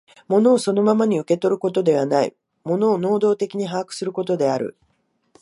物をそのままに受け取ることではない、物を能働的に把握することである。